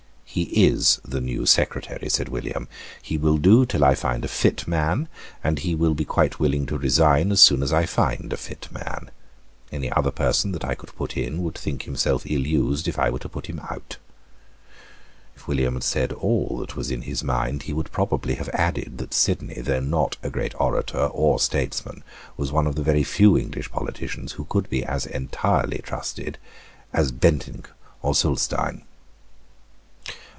"He is the new Secretary," said William. "He will do till I find a fit man; and he will be quite willing to resign as soon as I find a fit man. Any other person that I could put in would think himself ill used if I were to put him out." If William had said all that was in his mind, he would probably have added that Sidney, though not a great orator or statesman, was one of the very few English politicians who could be as entirely trusted as Bentinck or Zulestein.